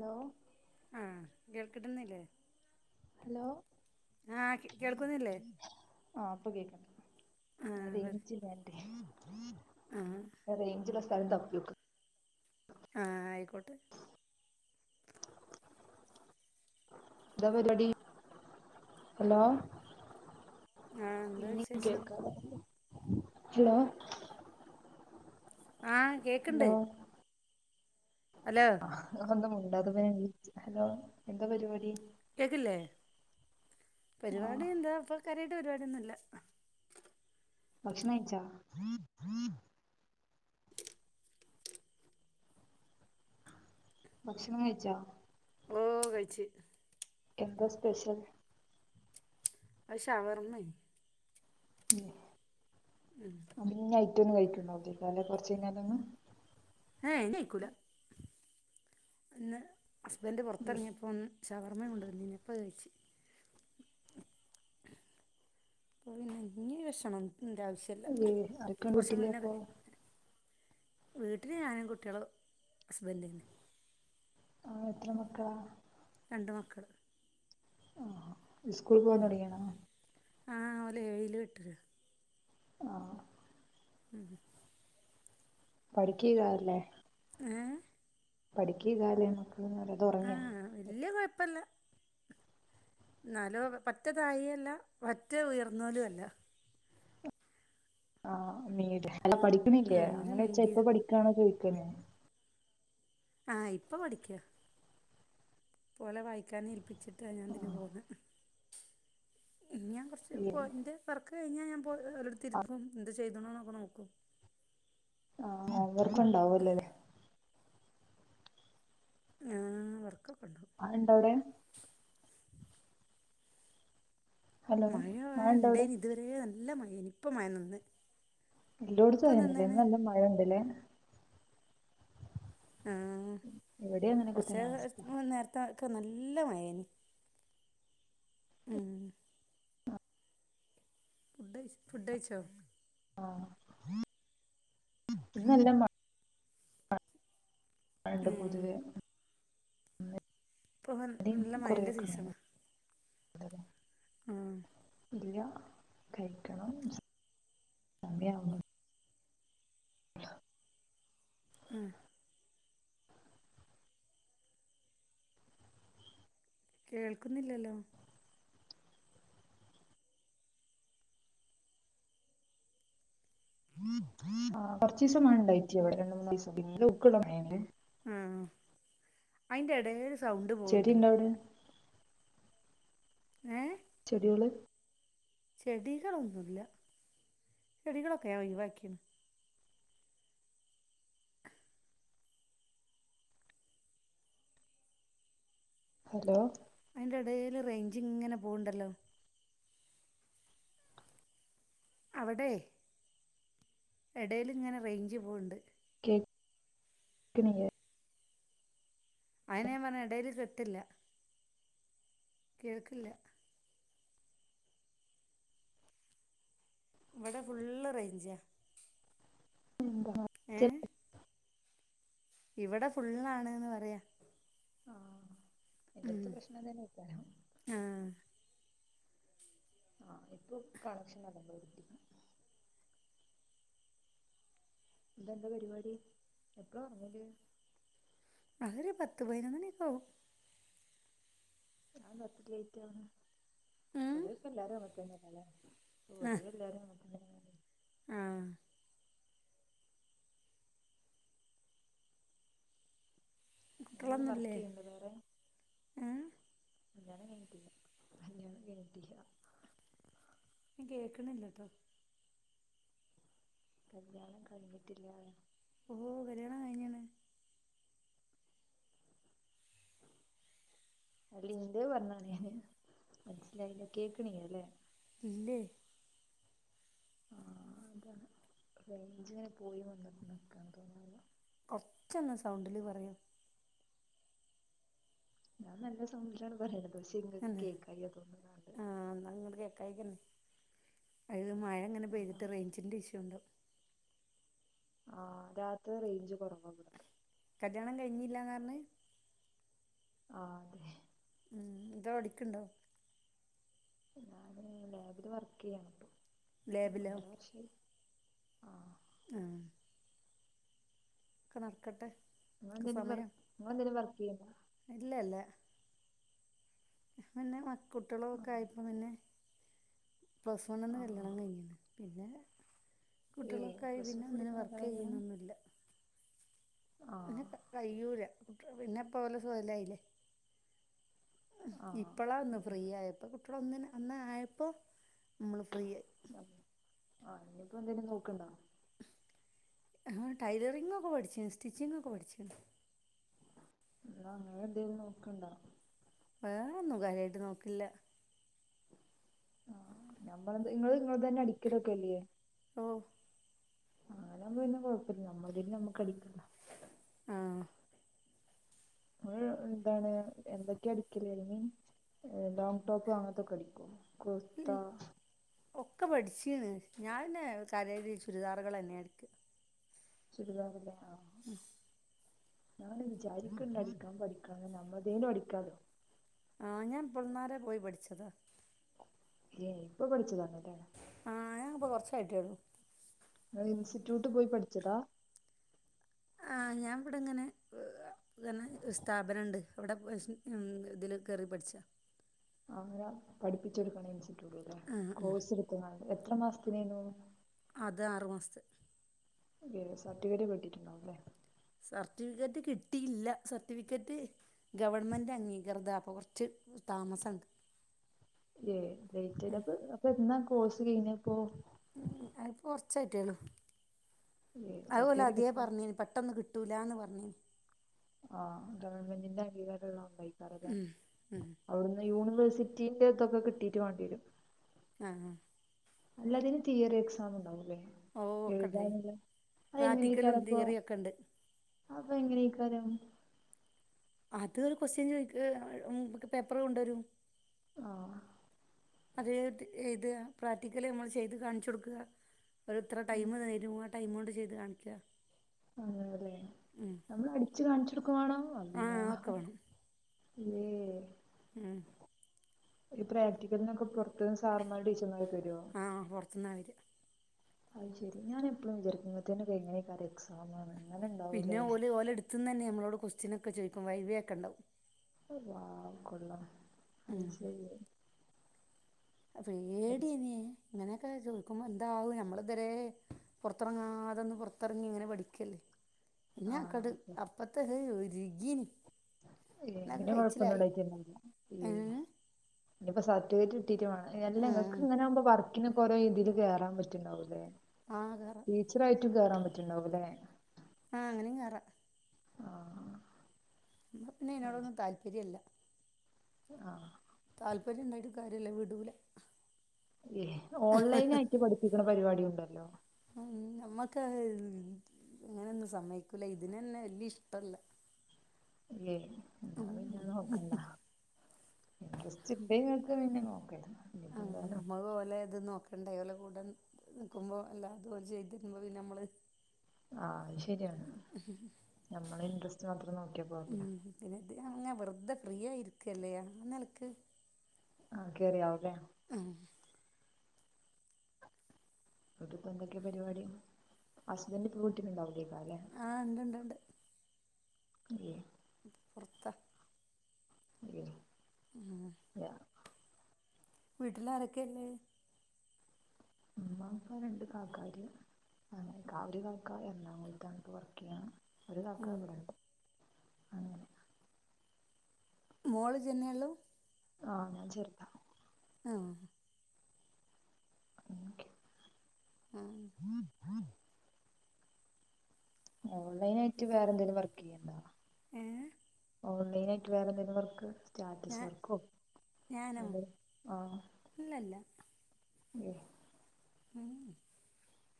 Law ആ കേൾ കിട്ട്ന്നില്ലേ ഹലോ കേൾക്കുന്നില്ലേ ആ ഇപ്പ കേക്ക്ണ്ട് ആഹ് പറ റെയ്ഞ്ചിലാഞ്ഞ്ട്ടേ ആഹ് റെയ്ഞ്ച്ള്ള സ്ഥലം തപ്പ്യോക ആ അയ്ക്കോട്ടെ ന്താ പരിവാടി ഹലോ ആഹ് എന്താ ഇഞ്ഞീം വിശേഷം കേക്കതാവല്ലെ ഹലോ ആഹ് കേക്ക്ണ്ട് ഹലോ ഹലോ ആഹ് മുണ്ടാത്തപ്പോ ഞാൻ വെച്ച് ഹലോ എന്താ പരിവാടി കേക് ല്ലേ ആ പരിവാടി എന്താ പ്പൊ കാര്യായ് ട്ട് പരിവാടിന്നുല്ല ഭക്ഷണം ഴിച്ചോ ഭക്ഷണം കഴിച്ചോ ഓ കൈച്ചി എന്ത സ്പെഷ്യൽ അശെ ഷവർമ്മേ മ് [unintelligible] [unintelligible] കുറച്ച് കഴിഞ്ഞാല ഒന്ന് ഏ ഹ് നിയികൂല ഒന്ന് ഹസ്ബൻഡറ് പുറത്തിറങ്ങിയപ്പോന്ന് ശവർമ്മ കൊണ്ട്ുവ നിപ്പം കഴിച്ച് [unintelligible] അല്ലേ അറക്കണ്ട കുറച്ച് കിട്ടില്ലേ മുന്നേ അപ്പൊ വീട്ടില് ഞാനും കുട്ടികള ഹസ്ബന്ഡന് ആഹ് എത്ര മക്കളാ രണ്ട് മക്കൾ ആ സ്കൂൾ പോവാ തുടിയണോ ആ് ഓല ഏഴില് ഏട്ടല ആ ഉം പഠിക്കുഏകാരം ല്ലെ ഏഹ് പഠിക്ക ക്യാരം ല്ലെ മക്കളന്ന് പറയ അതൊ ഉറങ്ങിയ പ്പന്ന് എന്നാലോ പറ്റേതായിയല്ല മറ്റ ഉയർന്നലും അല്ല ആഹ് മീര് അല്ല ആ പഠിക്കുന്നില്ലേ ഒരു അങ്ങനെ വെച്ചാ ഇപ്പൊ മീഡിയം പഠിക്കണോ ചോദിക്കന ആ ഇപ്പൊ പഠിക്ക പോലെ വായിക്കൻ ഏൽപ്പിച്ചിട്ടാണ് ഞാൻ അതിന് പോന്നെ ഞാൻ കുറച്ച് [unintelligible] ന്റെ വർക്ക്‌ കഴിഞ്ഞാൽ ഞാൻ പോ ഓലോടുത്തിരിക്കും എ ചെയ്തിണോ ന്ന് നോക്കും ആഹ് അവർക്ക ഇണ്ടാവല്ലല്ലേ ഞാ വർകൊക്കെ ആൾ ണ്ടോ അവിടെ ഹലോ മഴ ഇണ്ടോ അവിടെ ഇണ്ടേനി ഇതുവരെ നല്ല മഴ ഇനിപ്പ മഴ നിന്ന് എല്ലോട്ത്തും ഇപ്പം അതന്നെ ല്ലെ നിന്നാണ് ഇന്ന് നല്ല മഴ ഇണ്ടല്ലേ ആ ഇവിടെ അങ്ങനെയൊക്കെ കുറച്ച തന്നെ അവസ്ഥ നേരത്തെ ഒക്കെ നല്ല മഴേനി ഉം ഫു ഫുഡഴച്ചോ ആ ന്ന് നല്ല മ പണ്ട് ആ പൊതുവേ ഇപ്പോൾ ഇവിടെ നല്ല കൊറെ മഴേൻ്റെ വക്കണ സീസണാ [unintelligible] ആഹ് ഇല്ല കഴിക്കണം സമയാവുന്നു ആ ഉം കേൾക്കുന്നില്ലല്ലോ ആ കൊറച്ച ദിവസംമഴയിണ്ടായില്ല അവിടെ രണ്ട മൂന്ന് ദിവസം പി ഉക്ക മേല് ആ അയിന്റെ ഇടയില് സൗണ്ട് ചെടി പോവണ്ടോ ഇണ്ടോ അവിടെ ഏയ് ചെടികളെ ചെടികളൊന്നുമല്ല ചെടികളൊക്കെയ ഒഴിവാക്കിയാണ് ഹലോ ഇതിന്റെ ഇടയിൽ റേഞ്ച് ഇങ്ങനെ പോവണ്ടല്ലോ അവിടെ എടേൽ ഇങ്ങനെ റേഞ്ച് പോണോണ്ട് ക്കിണില്ലേ അയിന ഞാൻ പറഞ്ഞ ഇടൽ കിട്ടില്ല കേൾക്കില്ല ഇവിടെ ഫുള്ള് റേഞ്ച് ഉം ഉം ഏയെ ഇവിടെ ഫുള്ളാനുയെന്ന് പറയാ ആ ഉം ഇവിടുത്തെ പ്രശ്നം തന്നെ ആ കാര്യം ആഹ് ആ ഇപ്പൊ കണക്ഷൻ നല്ല പോലെ കിട്ടി ഇന്നുന്നന്റെ പരിപാടി എപ്പഴ ഉറങ്ങല് ആ ഒരു പത്ത് പതിനെന്നുമണി മണിയൊക്കെ ആവും അതെന്താ അത്ര ലേറ്റ് ആവുന്ന. ഉം പൊതുവേക്കെ ഇപ്പോ എല്ലാരും അങ്ങനെ തന്നെയാണ്ല്ലേ പൊതുവേ എല്ലാരും തന്നെയാണ് മം.... നിങ്ങൾ വർക്ക് കുട്ടികളൊന്നുല്ലേ ചെയുണ്ടോ വേറെ ഏഹ് കല്യാണം കഴിഞ്ഞിട്ടില്ല.. ഹാ.. കല്യാണം കഴിഞ്ഞിട്ടില്ല ഞാൻ കേൾക്കുണില്ല ഇത് കല്ല്യാണം കഴിഞ്ഞിട്ടില്ലാന്ന് ഓ കല്യാണം കഴിഞ്ഞിക്ക്ണ് അല്ല. എന്റെ പറഞ്ഞാണ് ഞാന്ന് മനസിലായില്ല കേൾക്കാണീല്ല അല്ലെ ഇല്ലേ ആ അതാണ് റേഞ്ചിനെ പോയി വന്നൊക്കെ നിക്കാണ് തോന്നണ് കൊറച്ചൊന്ന് സൗണ്ടിൽ പറൂയോ ഞാൻ നല്ല സൗണ്ടിലാണ് പറയണത് പക്ഷെ ഇങ്ങക്ക് അല്ലെ കേക്കായിക തോന്നുന്നുണ്ട് ആ ന്നാ ഇങ്ങട്ട് കേക്കായികല്ലേ അത് മഴ അങ്ങനെ അതാ പെയ്തിട്ട് റേഞ്ചിന്റെറെ ഇഷ്യു ഉണ്ട് ആ രാത്രി റേഞ്ച് കുറവാ ഇവിടെ കല്യാണം കഴിഞ്ഞില്ലാന്നാ പറഞ് ആ അതെ എന്താ പഠിക്കുണ്ടോ ഞാൻ ലാബിൽ വർക്ക് ചെയ്യണിപ്പൊ. ലാബിലോ ഒന്നര വർഷമായി ആ ഒക്കെ നടക്കട്ടെ നിങ്ങൾ എന്തെങ്കിലും വർക്ക് നിങ്ങൾ എന്തെങ്കിലും വർക്ക് ചെയ്യുണ്ടോ ഇല്ലല്ല പിന്നെ കുട്ടികളും ആ ഒക്കെ ആയപ്പോ പിന്നെ പ്ലസ് വണ്ണിൽ ആ കല്യാണം കഴിഞ്ഞു പിന്നെ ഏയ് കുട്ടികളക്കായി പ്ലസ് പിന്നെ വൺ ഒന്നന് പഠിക്കുമ്പോ വർക്ക് കല്യാണം കഴിഞ്ക്ക്ണ് ചെയ്യണൊന്നില്ല ആ പിന്നെ കഴിനുല്ല പിന്നെപ്പോ പോലെ സോലായില്ലേ ആ ഇപ്പളാ ഒന്ന് ഉം ഫ്രീ ആയപ്പം കുട്ടി ഒന്ന് അന്ന് ആയപ്പോ മ്മൾ ഫ്രീയായി ആ നിയിപ്പൊ എന്തേലും നോക്ക്‌ണ്ടോ ആ ടൈലറിങ്ങ് ഒക്കെ പഠിച്ച് സ്റ്റിച്ചിങ്ങ ഒക്കെ പഠിച്ച്ണ് ന്ന ഇങ്ങൾ എന്താലും നോക്ക്‌ണ്ടാ വേറൊന്നും കാര്യായിട്ട് നോക്ക്‌ല്ല ആ നമ്മളത് ങ്ങള് ങ്ങളത് തന്നെ അടിക്കലൊക്കെല്ലേ ഓ ആ അങ്ങനമ്പം പിന്നെ കുഴപ്പമില്ല നമ്മൾടേത് നമ്മക്ക് അടിക്ക ആഹ ഇങ്ങൾ എന്താണ് എന്തൊക്കെയ അടിക്കല് I mean a long top അങ്ങത്തെ ഒക്കെ അടിക്കോ ഉ കുർത്ത ഒക്കെ പഠിച്ച്ണ് ഞാൻ പിന്നെ കാര്യായിട്ട് ചുരിദാറുകൾ തന്നെയ അടിക്ക ചുരിദാറിലോ ഞൻ വിചാരിക്ക്ണ്ട് അടിക്കാൻ പഠിക്കാന്ന് നമ്മൾതേലും അടിക്കാലോ ആഹ ഞാൻ ഇപ്പൾനാരേ പോയി പഠിച്ചതാ ഏ ഇപ്പൊ പഠിച്ചുതണ് ആ ഞാൻപ്പൊ കുറച്ചായിട്ടേയുള്ളും ഇൻസ്റ്റിറ്റ്യൂട്ട് പോയി പഠിച്ചതാ ആ് ഞാൻ ഇവിടെ ഇങ്ങനെ അന്നെ സ്ഥാപനണ്ട് അവിടെ ഇതില് കേറി പഠിച്ച അവര പഠിപ്പിച്ചടുക്കണ് ഇൻസ്റ്റിറ്റ്യൂട്ട് അല്ലേ ആ കോഴ്സ് എടുത്ത് എത്ര മാസത്തിനേനു അത് ആറുമാസത്തെ സർട്ടിഫിക്കറ്റ് കിട്ടിട്ടുണ്ടാവും ല്ലേ സർട്ടിഫിക്കറ്റ് കിട്ടിയില്ല സർട്ടിഫിക്കറ്റ് ഗവൺമെന്റ് അംഗീകൃത അപ്പൊ കുറച്ച് താമസം ഡേറ്റ് അപ്പൊ എന്നാ കോഴ്സ് കഴഞ്ഞപ്പോ ഉ അ കുറച്ച് ആയിട്ടേയുള്ളൂ ഏഹ് അത് ഓല് ആദ്യ സർട്ടിഫിക്കറ്റ് കിട്ടാ പറഞ്ഞീന് പെട്ടന്ന് കിട്ടി തുലന്ന് പറഞ്ഞ് ആഹ ഗവൺമെന്റിന്റെ അംഗീകാരം ഉള്ളായിക്കാരം അല്ലേ അവിടുന്ന് യൂണ് യിവേഴ്സിറ്റിന്റെ ഇതൊക്കെ കിട്ടിയിട്ട് വാണ്ടി വരും ആഹ അല്ല ഇതിന് തീയറി എക്സാം ഉണ്ടാവൂല്ലേ ഓ ഒക്കെ ഉണ്ടായി എഴുതാറില്ല പ്രാക്ടിക്കലും എങ്ങനെയ്കാരംഅപ്പം തിയറിയും ഒക്കെ ഉണ്ട് അപ്പൊ എങ്ങനെ കാരം അത് ഒരു കൊക്വസ്റ്റ്യൻ ചോയി പേപ്പർ കൊണ്ടോരും ആഹ് അത് എഴുത പ്രാക്ടിക്കല് നമ്മള് ചെയ്ത് കാണിച്ച് കൊട്ക്ക ഒരു ഇത്ര ടൈം തരും ആ ടൈം കൊണ്ട് ചെയ്ത് കാണിക്ക അതല്ലേ നമ്മൾ അടിച്ചു കാണിച്ചു കൊടുകും വാണം ആ അല്ലാഹ് ഒക്കെ ഉം ഈ പ്രാക്ടിക്കലന്നൊക്കെ പുറത്തന്ന് സമാർ ടീച്ചർമാർ ഒക്കെ വരോ ആ പുറത്തുനിന്നാണ് വരിക അത് ശരി ഞാൻ എപ്പളും ചാരിക്കും ഇങ്ങനത്തെയ്നൊക്കെ എങ്ങനെയ്കാരം എക്സാം പിന്നെ ഓല് ഓലെടുത്ത് തന്നെ നമ്മളോട് കൊക്വസ്റ്റിനൊക്കെ ചോദിക്കും വൈവിയൊക്കെ ഉണ്ടാവും വാവ് കൊള്ളാം അത് ഉം ശരി പേടിഎനി ഇങ്ങനെയൊക്കെ ചോദിക്കുമ്പോ എന്താവും നമ്മള് ഇതരെ പുറത്തറങ്ങാ തൊന്ന് പുറത്തിറങ്ങി ഇങ്ങനെ പഠിക്കല്ലേ ഞാ ആഹ് കടു അപ്പർത്തത് ഹ ഒരുകീണ് ഏ ഇങ്ങനെ കൊഴപ്പൊന്നും ഉണ്ടായിട്ടന്നല്ല ഏ ഇനിപ്പോ സാ കിട്ട വേല്ല നിങ്ങൾക്ക്ങ്ങനെ ആകുമോ വർക്കിന ഒെ രോ രീതിൽ കേറാൻ പറ്റണ്ടകൂല്ലേ ആ കേറാ കേയറാൻ പറ്റണ്ടാവകല്ലേ ആഹ അങ്ങനനേം കേയറാ ആഹ് പിന്നെ ആയിനോടൊന്നും താല്പര്യംമല്ല ആഹ താല്പര്യം ഇണ്ടായിട്ട് കാര്യയില്ല വിടൂല്ല. ഏ ഓൺലൈൻ ആയിട്ട് പഠിപ്പിക്ക്ണ പരിപാടി ഉണ്ടല്ലോ? നമ്മക്ക് അഹ് മ്മ് എങ്ങനെയൊന്നും സമയ്ക്കൂല്ല ഇതിനന്നെ വലിയ ഇഷ്ടല്ല. ഏ. എന്ന പിന്നെ നോക്കണ്ട ഇൻട്രസ്റ്റ് ഇണ്ടങ്കിൽ പിന്നെ നോക്കണ്ട. ആ നമ്മളെ പോലെ ഇത് നോക്ക ന്തായാലു കൂടേനിക്കുമ്പോ അല്ലാതും അതുപോലെ ചെയ്തരുമ്പോ പിന്ന നമ്മള്. ആഹ അത് ശരിയാണ് ഞമ്മളെ ഇൻട്രസ്റ്റ് മാത്രം നോക്കിയാ പോരല്ലോ? അങ്ങന വെറതെ ഫ്രീ ആയിരിക്കല്ലെ ആ നിലക്ക്. ആഹ കേറിയാവെയല്ലെ. ആഹ. ഇന്ന് ഇട്ട് ഇപ്പ എന്തൊക്കെയെ പരിപാടി ഹസ്ബൻഡ് ഇപ്പ വീട്ടിൽലുണ്ടാവുല്ലയ്കാര്യം ല്ലെ? ആഹ് ഇണ്ട് ഇണ്ട് ഇണ്ട് ഉ. പുറത്താ. ഇർ അ. [unintelligible] വീട്ടിൽ ആരൊക്കെഉള്ളെ? ഇമ്മാ ഇപ്പാ രണ്ട് കാക്കാര്. ആ ഒരു കാക്ക എറണാകുളംത്ത് ആ വർക്ക് ചെയ്യാണ്. ഒരുകാക്ക ആഹ് ഇവിടെണ്ട് അങ്ങനെ. മോള് ഇജ് നെയെഒള്ളു. ആ ഞാൻ ചെറുതാ. ആ. ഉം കേ. ആഹ് ഓൺലൈൻ ആയിട്ട് വേറെന്തെങ്കിലും വർക്ക് ചെയ്യ്ണ്ടോ? ഏ ഓൺലൈനായിട്ട് വേറെ എന്തെങ്കിലും വർക്ക്. സ്റ്റാറ്റസ് ഞാൻ വർക്കോ ഞാനോ അതെ ആ. ഇല്ലല്ല ഏ. ഉം മ്മ്.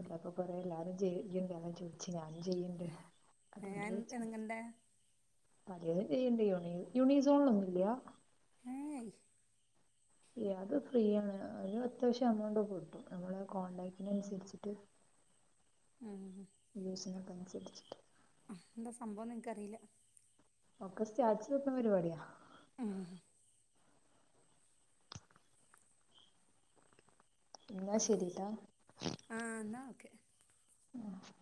അതകപ്പൊ കൊറേ എല്ലാരും ചെ ചെയ്യ് ണ്ട് അതാ ചോദിച്ച് ഞാനും ചെയ്യ്ണ്ട്. ഞാൻ എതെങ്ങണ്ടെ. പലതും ചെയ്യ്‌ണ്ട് യൂണി യൂണിസോണൊന്നുംയില്ല. മ്മ് ഏ അത് ഫ്രീയണ് ഒരു അത്യാവശ്യം എമൗണ്ട് കിട്ടും നമ്മളെ കോണ്ടാക്റ്റിന് അനുസരിച്ചിട്ട്. ഉം യൂസിനൊക്കെ അനുസരിച്ചിട്ട് ഉം എന്താ സംഭവംന്ന് എനിക്ക്റിയില്ല. ഒക്ക സ്റ്റാറ്റസ് വെക്കുന്ന പരിപാടിയാ. ഉം മ്മ്. ഇന്നാ ശരിട്ടാ. ആഹ് എന്നാ ഓക്കെ മ്മ്.